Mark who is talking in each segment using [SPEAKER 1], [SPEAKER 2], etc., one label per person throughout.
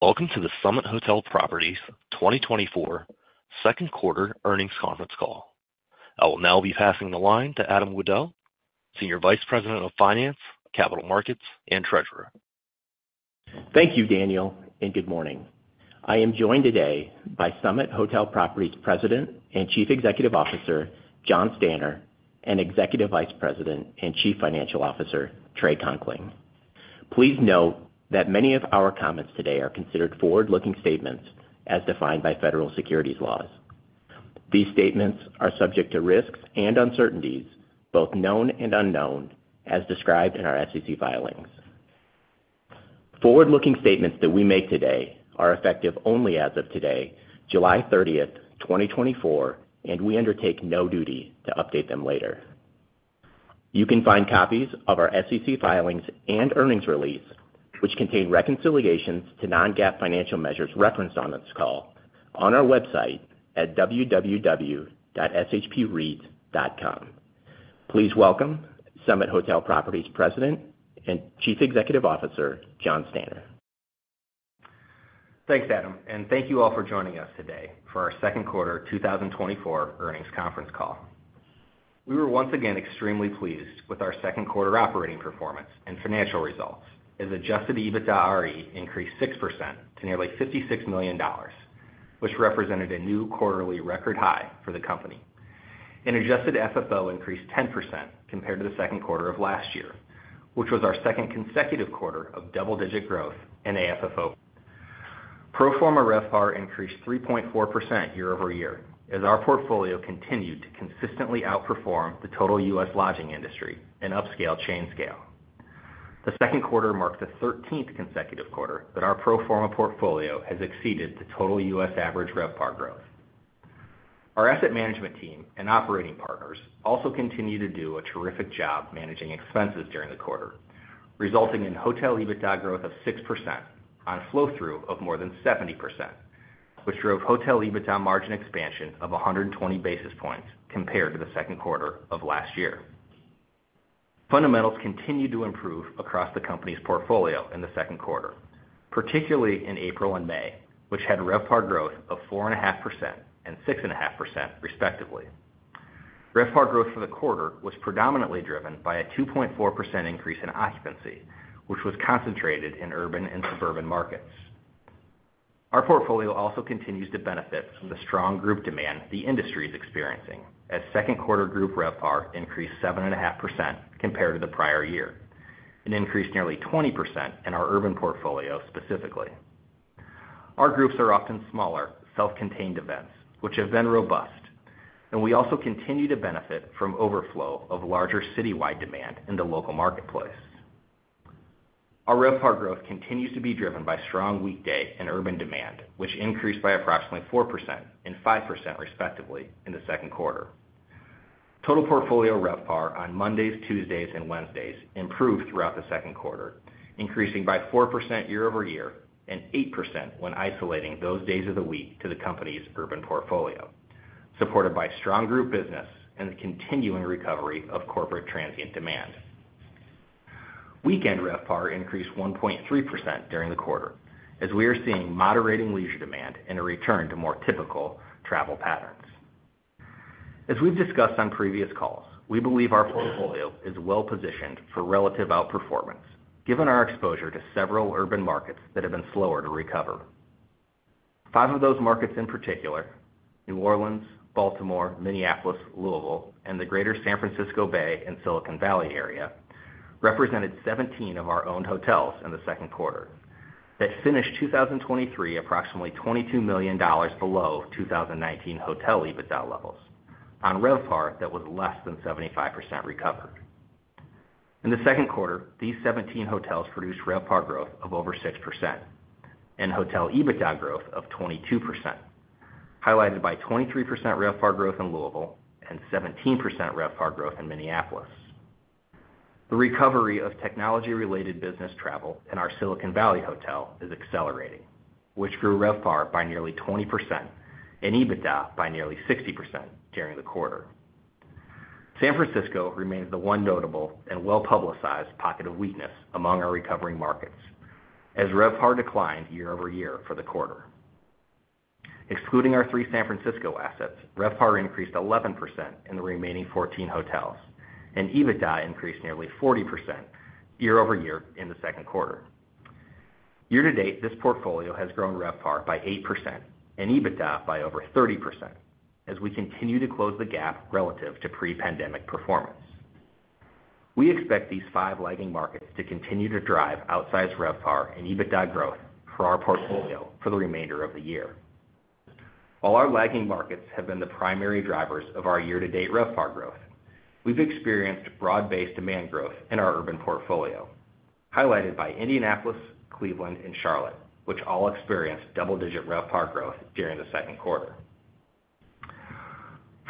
[SPEAKER 1] Welcome to the Summit Hotel Properties 2024 second quarter earnings conference call. I will now be passing the line to Adam Wudel, Senior Vice President of Finance, Capital Markets, and Treasurer.
[SPEAKER 2] Thank you, Daniel, and good morning. I am joined today by Summit Hotel Properties President and Chief Executive Officer, Jonathan Stanner, and Executive Vice President and Chief Financial Officer, Trey Conkling. Please note that many of our comments today are considered forward-looking statements as defined by federal securities laws. These statements are subject to risks and uncertainties, both known and unknown, as described in our SEC filings. Forward-looking statements that we make today are effective only as of today, 30th July, 2024, and we undertake no duty to update them later. You can find copies of our SEC filings and earnings release, which contain reconciliations to non-GAAP financial measures referenced on this call, on our website at www.shpreit.com. Please welcome Summit Hotel Properties President and Chief Executive Officer, Jonathan Stanner.
[SPEAKER 3] Thanks, Adam, and thank you all for joining us today for our second quarter 2024 earnings conference call. We were once again extremely pleased with our second quarter operating performance and financial results, as adjusted EBITDARE increased 6% to nearly $56 million, which represented a new quarterly record high for the company. Adjusted FFO increased 10% compared to the second quarter of last year, which was our second consecutive quarter of double-digit growth in AFFO. Pro forma RevPAR increased 3.4% year-over-year, as our portfolio continued to consistently outperform the total U.S. lodging industry and upscale chain scale. The second quarter marked the 13th consecutive quarter that our pro forma portfolio has exceeded the total U.S. average RevPAR growth. Our asset management team and operating partners also continued to do a terrific job managing expenses during the quarter, resulting in hotel EBITDA growth of 6% on a flow-through of more than 70%, which drove hotel EBITDA margin expansion of 100 basis points compared to the second quarter of last year. Fundamentals continued to improve across the company's portfolio in the second quarter, particularly in April and May, which had RevPAR growth of 4.5% and 6.5%, respectively. RevPAR growth for the quarter was predominantly driven by a 2.4% increase in occupancy, which was concentrated in urban and suburban markets. Our portfolio also continues to benefit from the strong group demand the industry is experiencing, as second quarter group RevPAR increased 7.5% compared to the prior year, and increased nearly 20% in our urban portfolio, specifically. Our groups are often smaller, self-contained events, which have been robust, and we also continue to benefit from overflow of larger citywide demand in the local marketplace. Our RevPAR growth continues to be driven by strong weekday and urban demand, which increased by approximately 4% and 5%, respectively, in the second quarter. Total portfolio RevPAR on Mondays, Tuesdays, and Wednesdays improved throughout the second quarter, increasing by 4% year-over-year, and 8% when isolating those days of the week to the company's urban portfolio, supported by strong group business and the continuing recovery of corporate transient demand. Weekend RevPAR increased 1.3% during the quarter, as we are seeing moderating leisure demand and a return to more typical travel patterns. As we've discussed on previous calls, we believe our portfolio is well-positioned for relative outperformance, given our exposure to several urban markets that have been slower to recover. Five of those markets, in particular, New Orleans, Baltimore, Minneapolis, Louisville, and the Greater San Francisco Bay and Silicon Valley area, represented 17 of our owned hotels in the second quarter that finished 2023, approximately $22 million below 2019 hotel EBITDA levels on RevPAR that was less than 75% recovered. In the second quarter, these 17 hotels produced RevPAR growth of over 6% and hotel EBITDA growth of 22%, highlighted by 23% RevPAR growth in Louisville and 17% RevPAR growth in Minneapolis. The recovery of technology-related business travel in our Silicon Valley hotel is accelerating, which grew RevPAR by nearly 20% and EBITDA by nearly 60% during the quarter. San Francisco remains the one notable and well-publicized pocket of weakness among our recovering markets, as RevPAR declined year over year for the quarter. Excluding our three San Francisco assets, RevPAR increased 11% in the remaining 14 hotels, and EBITDA increased nearly 40% year over year in the second quarter. Year to date, this portfolio has grown RevPAR by 8% and EBITDA by over 30% as we continue to close the gap relative to pre-pandemic performance. We expect these five lagging markets to continue to drive outsized RevPAR and EBITDA growth for our portfolio for the remainder of the year. While our lagging markets have been the primary drivers of our year-to-date RevPAR growth, we've experienced broad-based demand growth in our urban portfolio, highlighted by Indianapolis, Cleveland, and Charlotte, which all experienced double-digit RevPAR growth during the second quarter.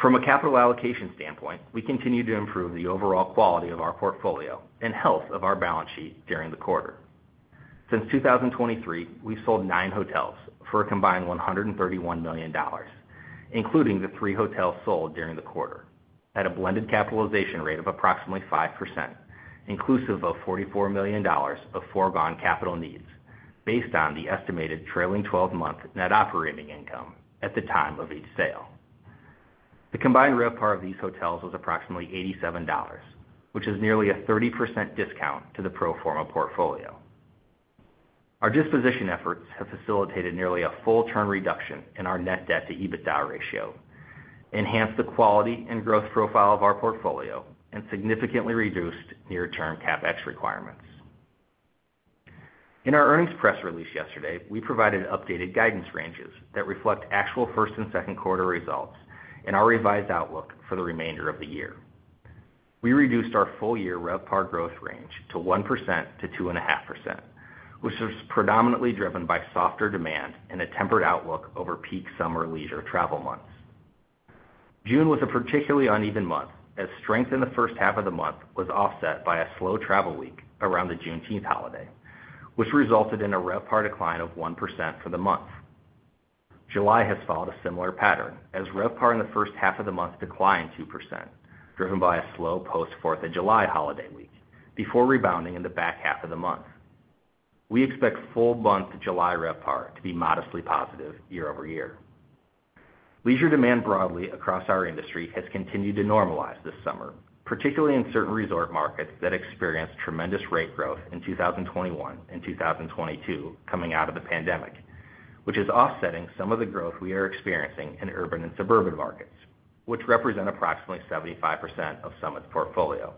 [SPEAKER 3] From a capital allocation standpoint, we continue to improve the overall quality of our portfolio and health of our balance sheet during the quarter. Since 2023, we've sold nine hotels for a combined $131 million, including the three hotels sold during the quarter, at a blended capitalization rate of approximately 5%... inclusive of $44 million of foregone capital needs, based on the estimated trailing twelve-month net operating income at the time of each sale. The combined RevPAR of these hotels was approximately $87, which is nearly a 30% discount to the pro forma portfolio. Our disposition efforts have facilitated nearly a full turn reduction in our net debt to EBITDA ratio, enhanced the quality and growth profile of our portfolio, and significantly reduced near-term CapEx requirements. In our earnings press release yesterday, we provided updated guidance ranges that reflect actual first and second quarter results and our revised outlook for the remainder of the year. We reduced our full-year RevPAR growth range to 1%-2.5%, which was predominantly driven by softer demand and a tempered outlook over peak summer leisure travel months. June was a particularly uneven month, as strength in the first half of the month was offset by a slow travel week around the Juneteenth holiday, which resulted in a RevPAR decline of 1% for the month. July has followed a similar pattern, as RevPAR in the first half of the month declined 2%, driven by a slow post Fourth of July holiday week, before rebounding in the back half of the month. We expect full month July RevPAR to be modestly positive year-over-year. Leisure demand broadly across our industry has continued to normalize this summer, particularly in certain resort markets that experienced tremendous rate growth in 2021 and 2022 coming out of the pandemic, which is offsetting some of the growth we are experiencing in urban and suburban markets, which represent approximately 75% of Summit's portfolio.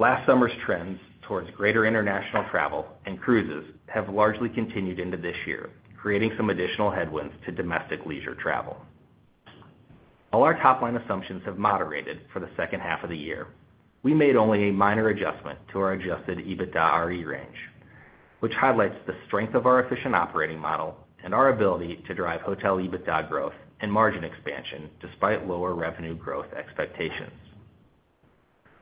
[SPEAKER 3] Last summer's trends towards greater international travel and cruises have largely continued into this year, creating some additional headwinds to domestic leisure travel. All our top-line assumptions have moderated for the second half of the year. We made only a minor adjustment to our Adjusted EBITDARE range, which highlights the strength of our efficient operating model and our ability to drive hotel EBITDA growth and margin expansion, despite lower revenue growth expectations.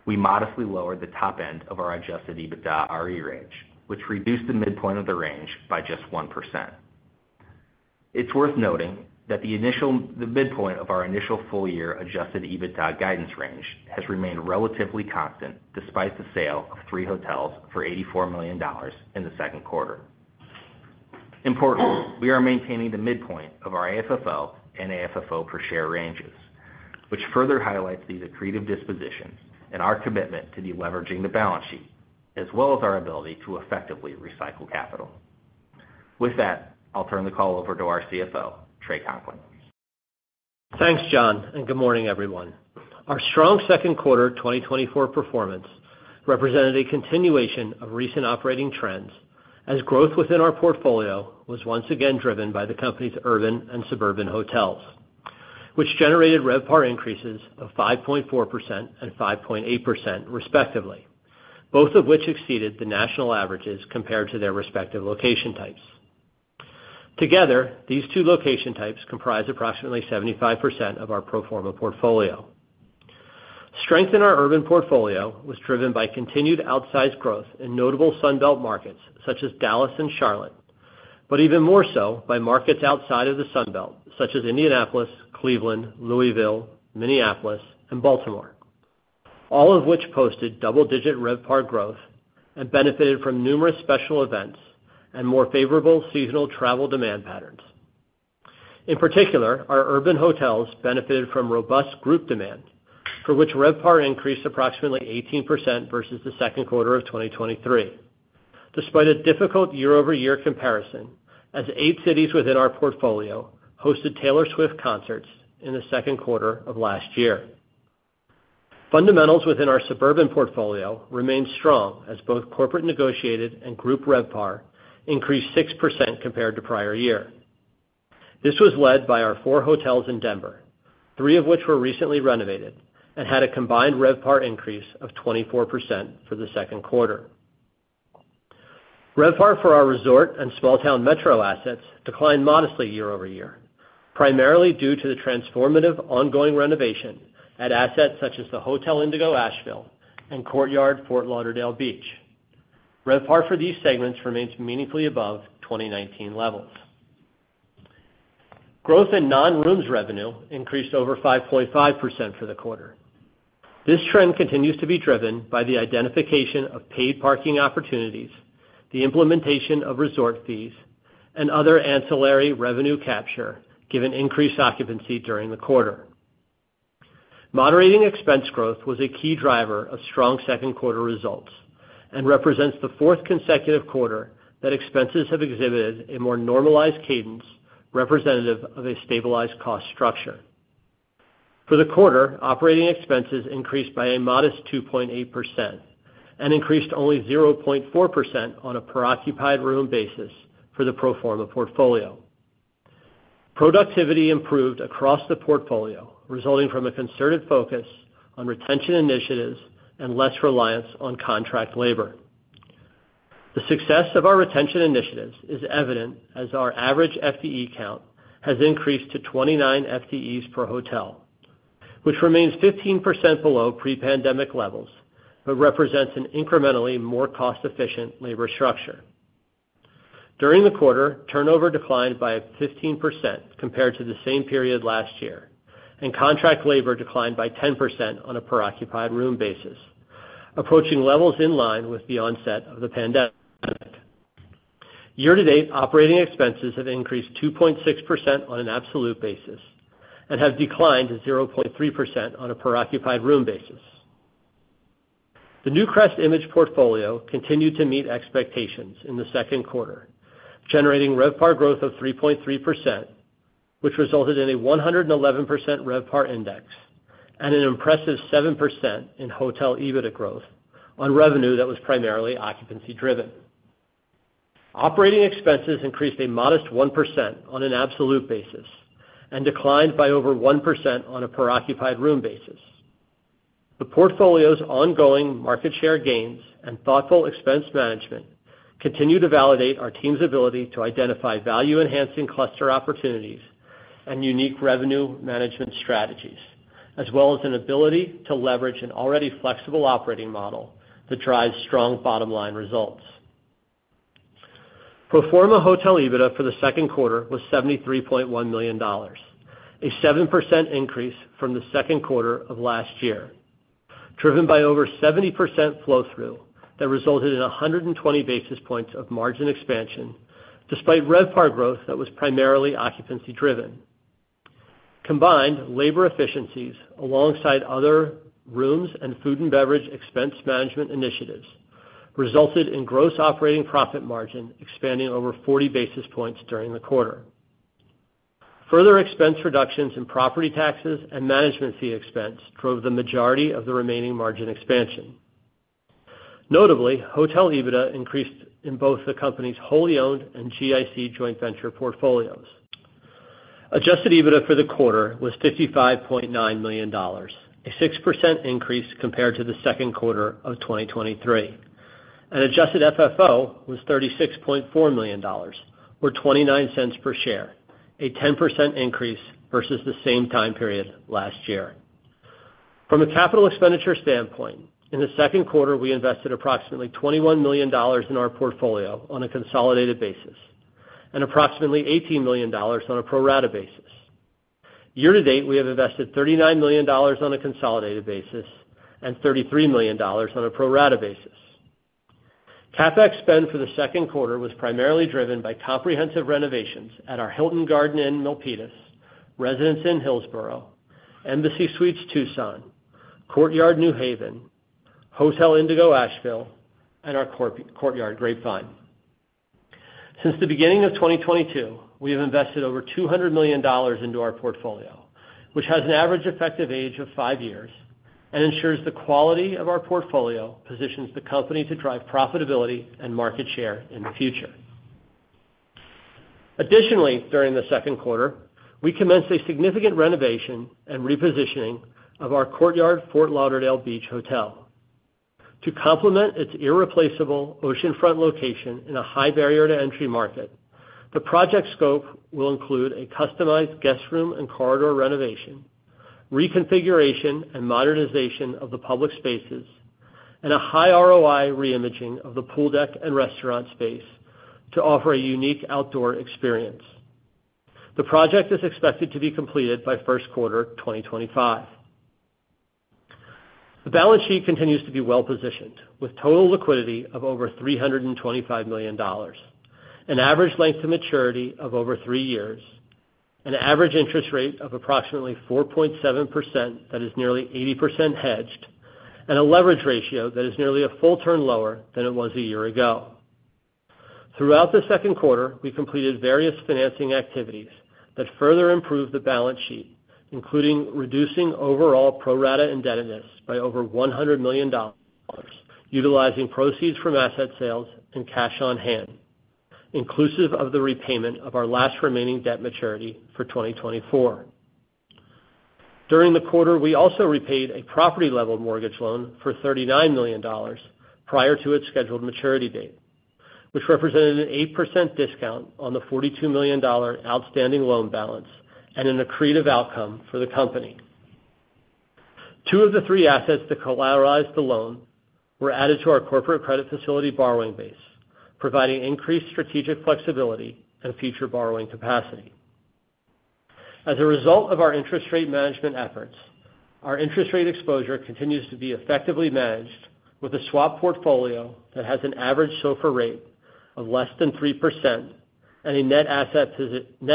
[SPEAKER 3] We modestly lowered the top end of our Adjusted EBITDARE range, which reduced the midpoint of the range by just 1%. It's worth noting that the midpoint of our initial full-year Adjusted EBITDARE guidance range has remained relatively constant, despite the sale of three hotels for $84 million in the second quarter. Importantly, we are maintaining the midpoint of our AFFO and AFFO per share ranges, which further highlights these accretive dispositions and our commitment to deleveraging the balance sheet, as well as our ability to effectively recycle capital. With that, I'll turn the call over to our CFO, Trey Conkling.
[SPEAKER 4] Thanks, John, and good morning, everyone. Our strong second quarter 2024 performance represented a continuation of recent operating trends, as growth within our portfolio was once again driven by the company's urban and suburban hotels, which generated RevPAR increases of 5.4% and 5.8%, respectively, both of which exceeded the national averages compared to their respective location types. Together, these two location types comprise approximately 75% of our pro forma portfolio. Strength in our urban portfolio was driven by continued outsized growth in notable Sun Belt markets, such as Dallas and Charlotte, but even more so by markets outside of the Sun Belt, such as Indianapolis, Cleveland, Louisville, Minneapolis, and Baltimore, all of which posted double-digit RevPAR growth and benefited from numerous special events and more favorable seasonal travel demand patterns. In particular, our urban hotels benefited from robust group demand, for which RevPAR increased approximately 18% versus the second quarter of 2023, despite a difficult year-over-year comparison, as eight cities within our portfolio hosted Taylor Swift concerts in the second quarter of last year. Fundamentals within our suburban portfolio remained strong, as both corporate negotiated and group RevPAR increased 6% compared to prior year. This was led by our four hotels in Denver, three of which were recently renovated and had a combined RevPAR increase of 24% for the second quarter. RevPAR for our resort and small town metro assets declined modestly year-over-year, primarily due to the transformative ongoing renovation at assets such as the Hotel Indigo, Asheville and Courtyard, Fort Lauderdale Beach. RevPAR for these segments remains meaningfully above 2019 levels. Growth in non-rooms revenue increased over 5.5% for the quarter. This trend continues to be driven by the identification of paid parking opportunities, the implementation of resort fees, and other ancillary revenue capture, given increased occupancy during the quarter. Moderating expense growth was a key driver of strong second quarter results and represents the fourth consecutive quarter that expenses have exhibited a more normalized cadence representative of a stabilized cost structure. For the quarter, operating expenses increased by a modest 2.8% and increased only 0.4% on a per occupied room basis for the pro forma portfolio. Productivity improved across the portfolio, resulting from a concerted focus on retention initiatives and less reliance on contract labor. The success of our retention initiatives is evident, as our average FTE count has increased to 29 FTEs per hotel, which remains 15% below pre-pandemic levels, but represents an incrementally more cost-efficient labor structure. During the quarter, turnover declined by 15% compared to the same period last year, and contract labor declined by 10% on a per occupied room basis, approaching levels in line with the onset of the pandemic. Year-to-date, operating expenses have increased 2.6% on an absolute basis and have declined to 0.3% on a per occupied room basis. The NewcrestImage portfolio continued to meet expectations in the second quarter, generating RevPAR growth of 3.3%, which resulted in a 111% RevPAR index and an impressive 7% in hotel EBITDA growth on revenue that was primarily occupancy driven. Operating expenses increased a modest 1% on an absolute basis and declined by over 1% on a per occupied room basis. The portfolio's ongoing market share gains and thoughtful expense management continue to validate our team's ability to identify value-enhancing cluster opportunities and unique revenue management strategies, as well as an ability to leverage an already flexible operating model that drives strong bottom line results. Pro forma hotel EBITDA for the second quarter was $73.1 million, a 7% increase from the second quarter of last year, driven by over 70% flow-through that resulted in 120 basis points of margin expansion, despite RevPAR growth that was primarily occupancy driven. Combined, labor efficiencies, alongside other rooms and food and beverage expense management initiatives, resulted in gross operating profit margin expanding over 40 basis points during the quarter. Further expense reductions in property taxes and management fee expense drove the majority of the remaining margin expansion. Notably, hotel EBITDA increased in both the company's wholly owned and GIC joint venture portfolios. Adjusted EBITDA for the quarter was $55.9 million, a 6% increase compared to the second quarter of 2023. Adjusted FFO was $36.4 million, or$ 0.29 per share, a 10% increase versus the same time period last year. From a capital expenditure standpoint, in the second quarter, we invested approximately $21 million in our portfolio on a consolidated basis and approximately $18 million on a pro rata basis. Year to date, we have invested $39 million on a consolidated basis and $33 million on a pro rata basis. CapEx spend for the second quarter was primarily driven by comprehensive renovations at our Hilton Garden Inn, Milpitas, Residence Inn, Hillsboro, Embassy Suites, Tucson, Courtyard, New Haven, Hotel Indigo, Asheville, and our Courtyard, Grapevine. Since the beginning of 2022, we have invested over $200 million into our portfolio, which has an average effective age of five years and ensures the quality of our portfolio positions the company to drive profitability and market share in the future. Additionally, during the second quarter, we commenced a significant renovation and repositioning of our Courtyard Fort Lauderdale Beach Hotel. To complement its irreplaceable oceanfront location in a high barrier to entry market, the project scope will include a customized guest room and corridor renovation, reconfiguration and modernization of the public spaces, and a high ROI reimaging of the pool deck and restaurant space to offer a unique outdoor experience. The project is expected to be completed by first quarter 2025. The balance sheet continues to be well-positioned, with total liquidity of over $325 million, an average length to maturity of over three years, an average interest rate of approximately 4.7%, that is nearly 80% hedged, and a leverage ratio that is nearly a full turn lower than it was a year ago. Throughout the second quarter, we completed various financing activities that further improved the balance sheet, including reducing overall pro rata indebtedness by over $100 million, utilizing proceeds from asset sales and cash on hand, inclusive of the repayment of our last remaining debt maturity for 2024. During the quarter, we also repaid a property-level mortgage loan for $39 million prior to its scheduled maturity date, which represented an 8% discount on the $42 million outstanding loan balance and an accretive outcome for the company. Two of the three assets to collateralize the loan were added to our corporate credit facility borrowing base, providing increased strategic flexibility and future borrowing capacity. As a result of our interest rate management efforts, our interest rate exposure continues to be effectively managed with a swap portfolio that has an average SOFR rate of less than 3% and a net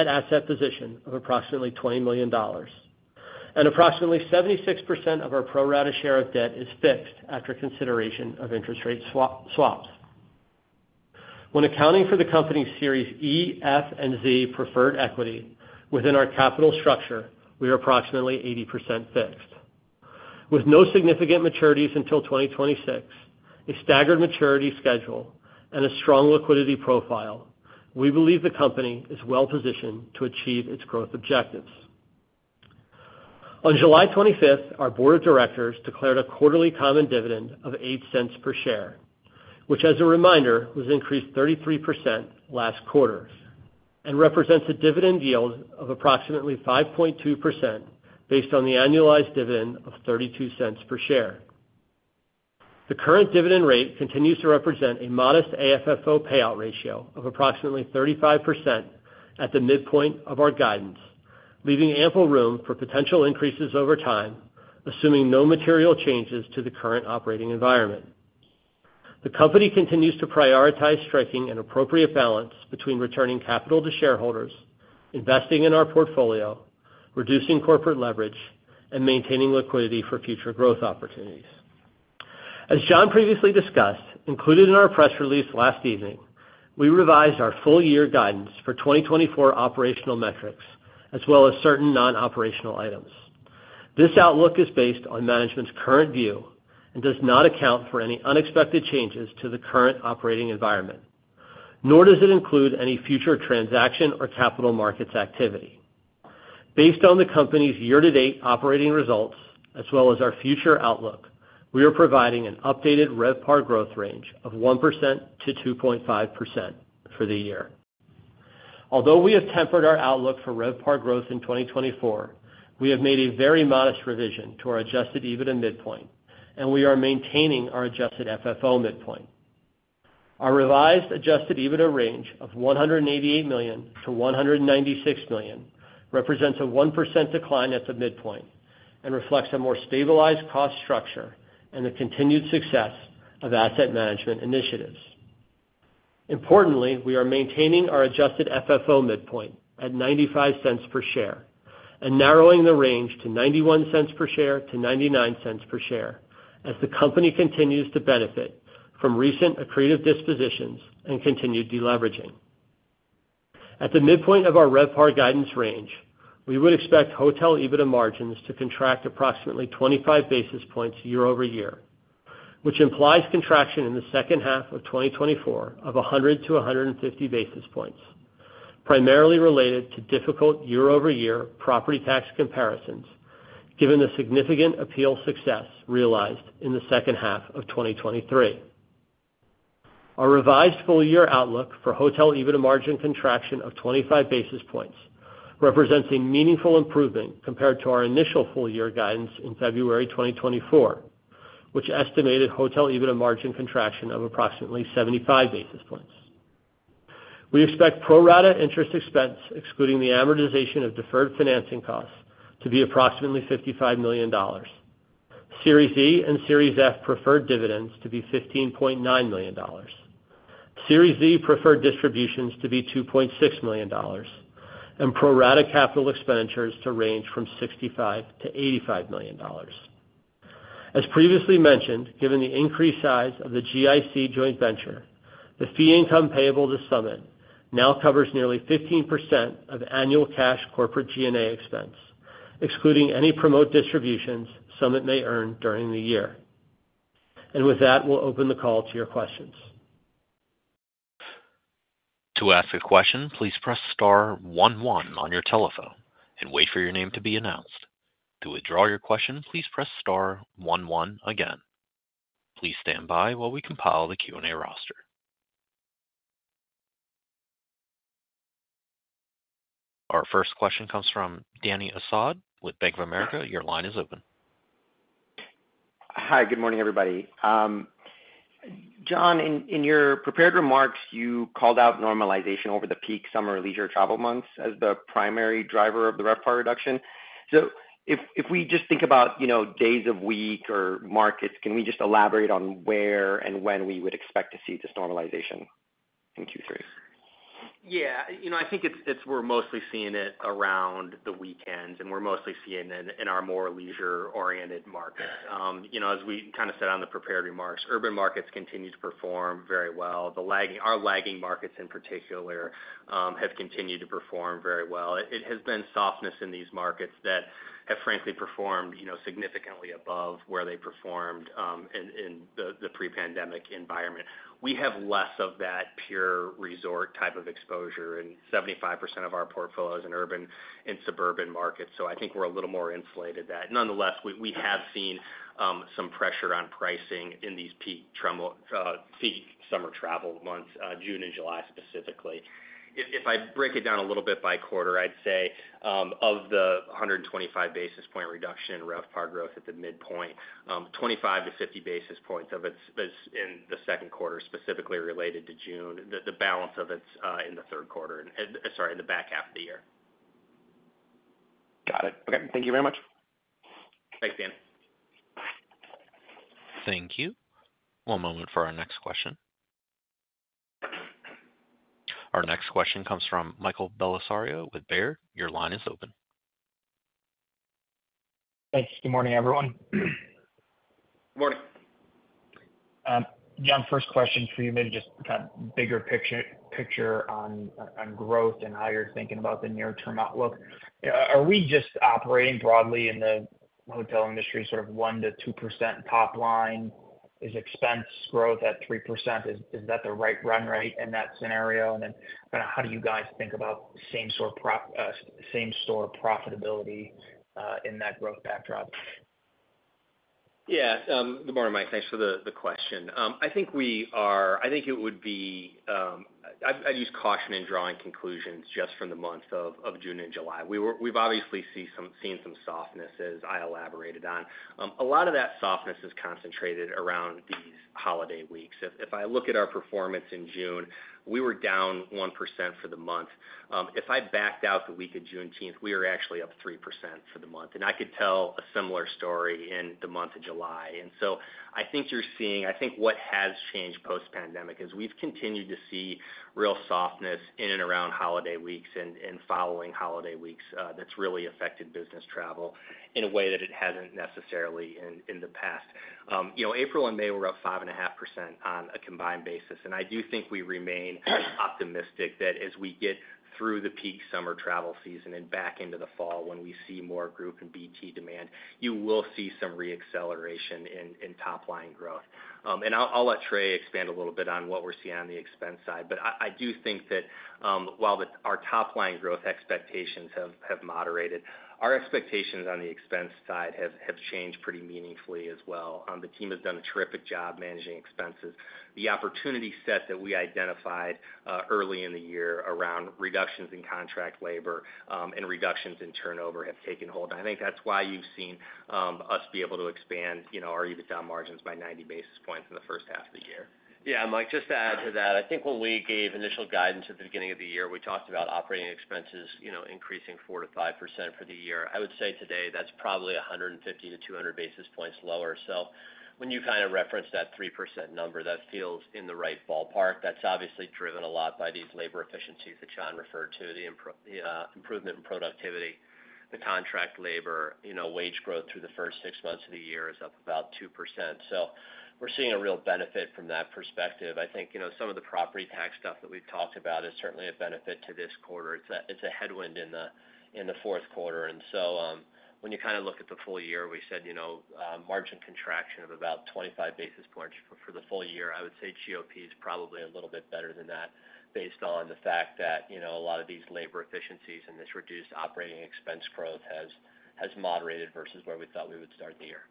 [SPEAKER 4] asset position of approximately $20 million, and approximately 76% of our pro rata share of debt is fixed after consideration of interest rate swap, swaps. When accounting for the company's Series E, F, and Z preferred equity within our capital structure, we are approximately 80% fixed. With no significant maturities until 2026, a staggered maturity schedule, and a strong liquidity profile, we believe the company is well-positioned to achieve its growth objectives. On July 25th, our board of directors declared a quarterly common dividend of $0.08 per share, which, as a reminder, was increased 33% last quarter and represents a dividend yield of approximately 5.2% based on the annualized dividend of $0.32 per share. The current dividend rate continues to represent a modest AFFO payout ratio of approximately 35% at the midpoint of our guidance, leaving ample room for potential increases over time, assuming no material changes to the current operating environment. The company continues to prioritize striking an appropriate balance between returning capital to shareholders, investing in our portfolio, reducing corporate leverage, and maintaining liquidity for future growth opportunities. As John previously discussed, included in our press release last evening, we revised our full year guidance for 2024 operational metrics, as well as certain non-operational items. This outlook is based on management's current view and does not account for any unexpected changes to the current operating environment, nor does it include any future transaction or capital markets activity. Based on the company's year-to-date operating results, as well as our future outlook, we are providing an updated RevPAR growth range of 1%-2.5% for the year. Although we have tempered our outlook for RevPAR growth in 2024, we have made a very modest revision to our adjusted EBITDA midpoint, and we are maintaining our adjusted FFO midpoint. Our revised adjusted EBITDA range of $188 million-$196 million represents a 1% decline at the midpoint and reflects a more stabilized cost structure and the continued success of asset management initiatives. Importantly, we are maintaining our adjusted FFO midpoint at $0.95 per share and narrowing the range to $0.91 per share-$0.99 per share, as the company continues to benefit from recent accretive dispositions and continued deleveraging. At the midpoint of our RevPAR guidance range, we would expect hotel EBITDA margins to contract approximately 25 basis points year-over-year, which implies contraction in the second half of 2024 of 100-150 basis points, primarily related to difficult year-over-year property tax comparisons, given the significant appeal success realized in the second half of 2023. Our revised full year outlook for hotel EBITDA margin contraction of 25 basis points represents a meaningful improvement compared to our initial full year guidance in February 2024, which estimated hotel EBITDA margin contraction of approximately 75 basis points. We expect pro rata interest expense, excluding the amortization of deferred financing costs, to be approximately $55 million. Series E and Series F preferred dividends to be $15.9 million. Series Z preferred distributions to be $2.6 million, and pro rata capital expenditures to range from $65 million-$85 million. As previously mentioned, given the increased size of the GIC joint venture, the fee income payable to Summit now covers nearly 15% of annual cash corporate G&A expense, excluding any promote distributions Summit may earn during the year. With that, we'll open the call to your questions.
[SPEAKER 1] To ask a question, please press star one one on your telephone and wait for your name to be announced. To withdraw your question, please press star one one again. Please stand by while we compile the Q&A roster. Our first question comes from Dany Asad with Bank of America. Your line is open.
[SPEAKER 5] Hi, good morning, everybody. John, in your prepared remarks, you called out normalization over the peak summer leisure travel months as the primary driver of the RevPAR reduction. So if we just think about, you know, days of week or markets, can we just elaborate on where and when we would expect to see this normalization in Q3?
[SPEAKER 3] Yeah. You know, I think we're mostly seeing it around the weekends, and we're mostly seeing it in our more leisure-oriented markets. You know, as we kind of said on the prepared remarks, urban markets continue to perform very well. Our lagging markets in particular have continued to perform very well. It has been softness in these markets that have frankly performed, you know, significantly above where they performed in the pre-pandemic environment. We have less of that pure resort type of exposure, and 75% of our portfolio is in urban and suburban markets, so I think we're a little more insulated that. Nonetheless, we have seen some pressure on pricing in these peak summer travel months, June and July, specifically. If I break it down a little bit by quarter, I'd say, of the 125 basis point reduction in RevPAR growth at the midpoint, 25-50 basis points of it is in the second quarter, specifically related to June. The balance of it is in the third quarter, sorry, in the back half of the year.
[SPEAKER 5] Got it. Okay. Thank you very much.
[SPEAKER 3] Thanks, Dan.
[SPEAKER 1] Thank you. One moment for our next question. Our next question comes from Michael Bellisario with Baird. Your line is open.
[SPEAKER 2] Thanks. Good morning, everyone.
[SPEAKER 3] Good morning.
[SPEAKER 2] John, first question for you, maybe just kind of bigger picture on growth and how you're thinking about the near-term outlook. Are we just operating broadly in the hotel industry, sort of 1%-2% top line? Is expense growth at 3%, is that the right run rate in that scenario? And then kind of how do you guys think about same-store profitability in that growth backdrop?...
[SPEAKER 3] Yeah, good morning, Mike. Thanks for the question. I think it would be, I'd use caution in drawing conclusions just from the month of June and July. We've obviously seen some softness, as I elaborated on. A lot of that softness is concentrated around these holiday weeks. If I look at our performance in June, we were down 1% for the month. If I backed out the week of Juneteenth, we were actually up 3% for the month, and I could tell a similar story in the month of July. I think you're seeing—I think what has changed post-pandemic is we've continued to see real softness in and around holiday weeks and following holiday weeks, that's really affected business travel in a way that it hasn't necessarily in the past. You know, April and May were up 5.5% on a combined basis, and I do think we remain optimistic that as we get through the peak summer travel season and back into the fall, when we see more group and BT demand, you will see some re-acceleration in top-line growth. And I'll let Trey expand a little bit on what we're seeing on the expense side. But I do think that while our top-line growth expectations have moderated, our expectations on the expense side have changed pretty meaningfully as well. The team has done a terrific job managing expenses. The opportunity set that we identified early in the year around reductions in contract labor and reductions in turnover have taken hold, and I think that's why you've seen us be able to expand, you know, our EBITDA margins by 90 basis points in the first half of the year.
[SPEAKER 4] Yeah, Mike, just to add to that, I think when we gave initial guidance at the beginning of the year, we talked about operating expenses, you know, increasing 4%-5% for the year. I would say today that's probably 150-200 basis points lower. So when you kind of reference that 3% number, that feels in the right ballpark. That's obviously driven a lot by these labor efficiencies that John referred to, the improvement in productivity. The contract labor, you know, wage growth through the first six months of the year is up about 2%. So we're seeing a real benefit from that perspective. I think, you know, some of the property tax stuff that we've talked about is certainly a benefit to this quarter. It's a headwind in the fourth quarter. And so, when you kind of look at the full year, we said, you know, margin contraction of about 25 basis points for the full year. I would say GOP is probably a little bit better than that, based on the fact that, you know, a lot of these labor efficiencies and this reduced operating expense growth has moderated versus where we thought we would start the year.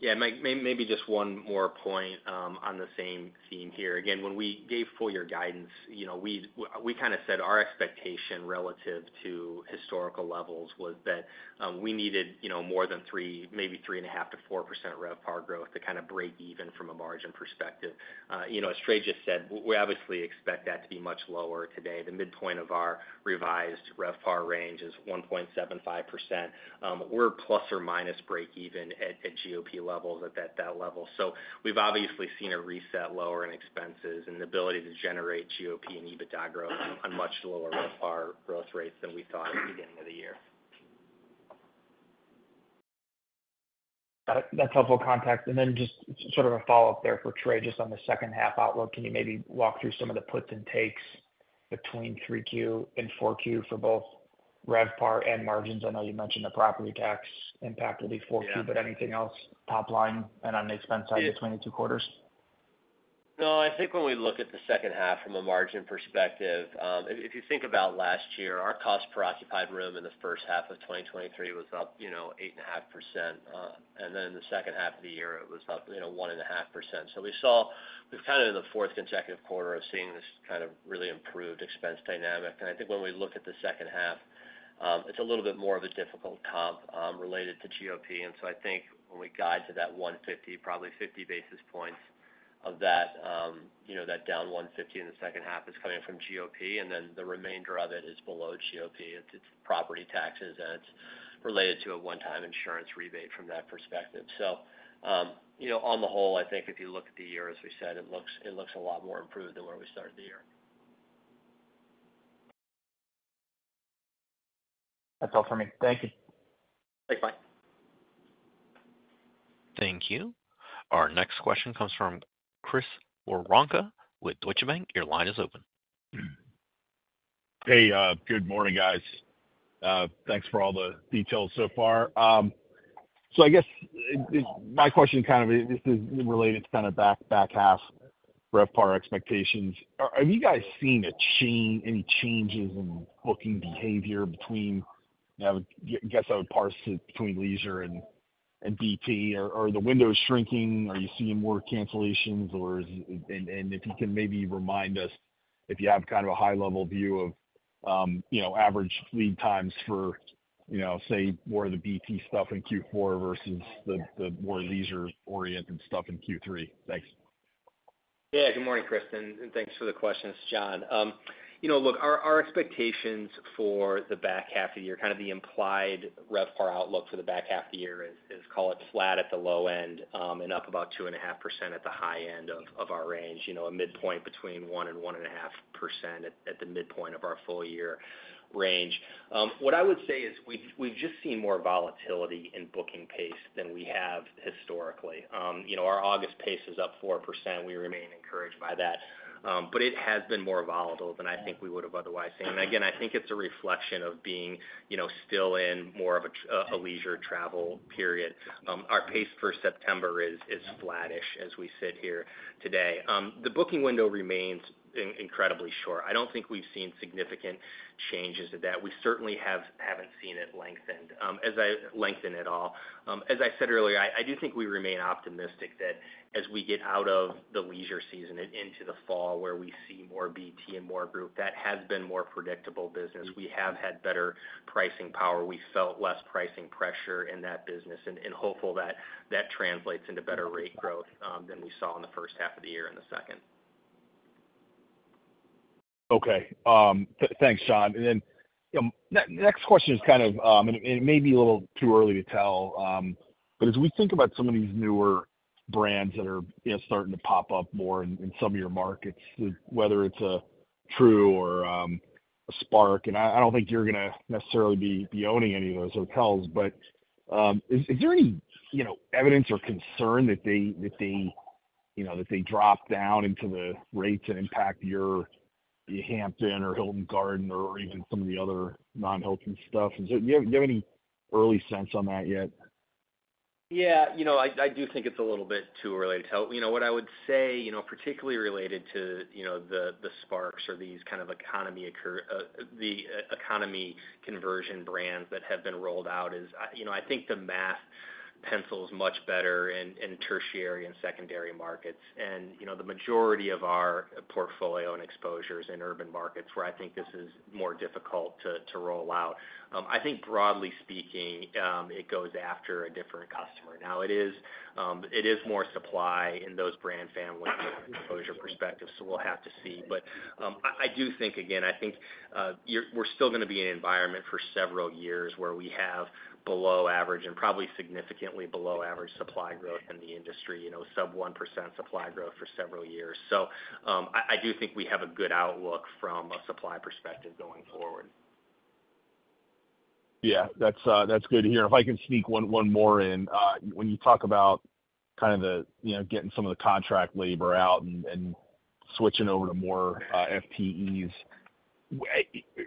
[SPEAKER 4] Yeah, Mike, maybe just one more point on the same theme here. Again, when we gave full year guidance, you know, we kind of said our expectation relative to historical levels was that we needed, you know, more than 3%, maybe 3.5%-4% RevPAR growth to kind of break even from a margin perspective. You know, as Trey just said, we obviously expect that to be much lower today. The midpoint of our revised RevPAR range is 1.75%. We're plus or minus break even at GOP levels, at that level. So we've obviously seen a reset lower in expenses and the ability to generate GOP and EBITDA growth on much lower RevPAR growth rates than we thought at the beginning of the year.
[SPEAKER 2] That's helpful context. Then just sort of a follow-up there for Trey, just on the second half outlook, can you maybe walk through some of the puts and takes between three Q and four Q for both RevPAR and margins? I know you mentioned the property tax impact will be four Q-
[SPEAKER 4] Yeah.
[SPEAKER 2] but anything else top line and on the expense side of the 22 quarters?
[SPEAKER 4] No, I think when we look at the second half from a margin perspective, if you think about last year, our cost per occupied room in the first half of 2023 was up, you know, 8.5%. And then the second half of the year, it was up, you know, 1.5%. So we saw we're kind of in the fourth consecutive quarter of seeing this kind of really improved expense dynamic. And I think when we look at the second half, it's a little bit more of a difficult comp, related to GOP. And so I think when we guide to that 150, probably 50 basis points of that, you know, that down 150 in the second half is coming from GOP, and then the remainder of it is below GOP. It's property taxes, and it's related to a one-time insurance rebate from that perspective. So, you know, on the whole, I think if you look at the year, as we said, it looks a lot more improved than where we started the year.
[SPEAKER 2] That's all for me. Thank you.
[SPEAKER 4] Thanks, bye.
[SPEAKER 1] Thank you. Our next question comes from Chris Woronka with Deutsche Bank. Your line is open.
[SPEAKER 6] Hey, good morning, guys. Thanks for all the details so far. So I guess it. My question kind of is related to kind of back half RevPAR expectations. Have you guys seen any changes in booking behavior between, I would guess I would parse it, between leisure and BT? Are the windows shrinking? Are you seeing more cancellations, or is... And if you can maybe remind us if you have kind of a high-level view of, you know, average lead times for, you know, say, more of the BT stuff in Q4 versus the more leisure-oriented stuff in Q3. Thanks.
[SPEAKER 3] Yeah. Good morning, Chris, and thanks for the question. It's John. You know, look, our expectations for the back half of the year, kind of the implied RevPAR outlook for the back half of the year is, call it, flat at the low end, and up about 2.5% at the high end of our range. You know, a midpoint between 1% and 1.5% at the midpoint of our full year range. What I would say is we've just seen more volatility in booking pace than we have historically. You know, our August pace is up 4%. We remain encouraged by that, but it has been more volatile than I think we would have otherwise seen. And again, I think it's a reflection of being, you know, still in more of a leisure travel period. Our pace for September is as we sit here today. The booking window remains incredibly short. I don't think we've seen significant changes to that. We certainly haven't seen it lengthened at all. As I said earlier, I do think we remain optimistic that as we get out of the leisure season and into the fall, where we see more BT and more group, that has been more predictable business. We have had better pricing power. We felt less pricing pressure in that business, and hopeful that that translates into better rate growth than we saw in the first half of the year and the second. Okay. Thanks, John. And then, you know, next question is kind of, and it may be a little too early to tell, but as we think about some of these newer brands that are, you know, starting to pop up more in some of your markets, whether it's a Tru or a Spark, and I don't think you're gonna necessarily be owning any of those hotels. But, is there any, you know, evidence or concern that they, that they, you know, that they drop down into the rates and impact your Hampton or Hilton Garden or even some of the other non-Hilton stuff? Do you have any early sense on that yet? Yeah, you know, I do think it's a little bit too early to tell. You know, what I would say, you know, particularly related to, you know, the, the Spark or these kind of economy conversion brands that have been rolled out is, I, you know, I think the math pencils out much better in, in tertiary and secondary markets. And, you know, the majority of our portfolio and exposures in urban markets, where I think this is more difficult to, to roll out. I think broadly speaking, it goes after a different customer. Now, it is, it is more supply in those brand families from an exposure perspective, so we'll have to see. But, I do think again, I think we're still gonna be in an environment for several years where we have below average and probably significantly below average supply growth in the industry, you know, sub 1% supply growth for several years. So, I do think we have a good outlook from a supply perspective going forward.
[SPEAKER 6] Yeah, that's good to hear. If I can sneak one more in. When you talk about kind of the, you know, getting some of the contract labor out and switching over to more FTEs,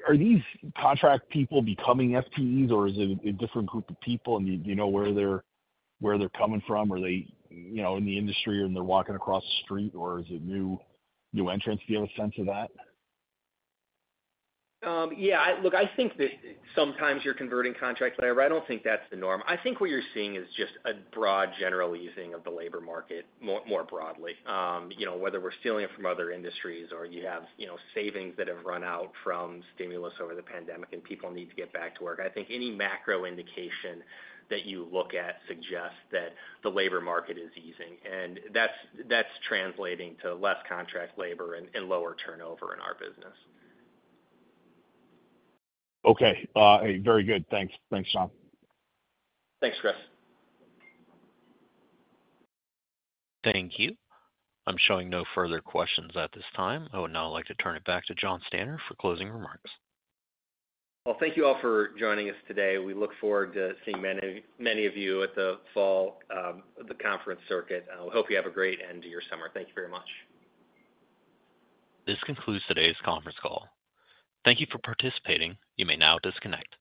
[SPEAKER 6] are these contract people becoming FTEs, or is it a different group of people, and do you know where they're coming from? Are they, you know, in the industry and they're walking across the street, or is it new entrants? Do you have a sense of that?
[SPEAKER 3] Yeah, I... Look, I think that sometimes you're converting contract labor. I don't think that's the norm. I think what you're seeing is just a broad general easing of the labor market, more broadly. You know, whether we're stealing it from other industries or you have, you know, savings that have run out from stimulus over the pandemic and people need to get back to work. I think any macro indication that you look at suggests that the labor market is easing, and that's translating to less contract labor and lower turnover in our business.
[SPEAKER 6] Okay, very good. Thanks. Thanks, John.
[SPEAKER 3] Thanks, Chris.
[SPEAKER 1] Thank you. I'm showing no further questions at this time. I would now like to turn it back to Jonathan Stanner for closing remarks.
[SPEAKER 3] Well, thank you all for joining us today. We look forward to seeing many, many of you at the fall, the conference circuit. I hope you have a great end to your summer. Thank you very much.
[SPEAKER 1] This concludes today's conference call. Thank you for participating. You may now disconnect.